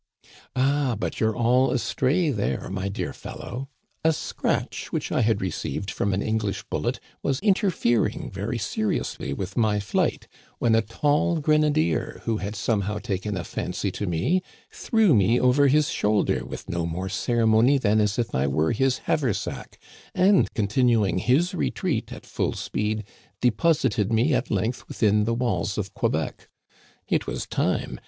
" Ah, but you're all astray there, my dear fellow. A scratch which I had received from an English bullet was interfering very seriously with my flight, when a tall grenadier who had somehow taken a fancy to me, threw me over his shoulder with no more ceremony than as if I were his haversack, and, continuing his retreat at full speed, deposited me at length within the walls, of Que bec. It was time.